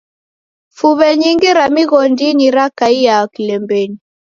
Fuw'e nyingi ra mighondinyi rakaia kilembenyi.